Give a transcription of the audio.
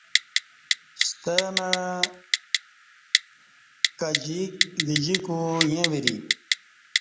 ستمع کجییک گجیکو ییں وری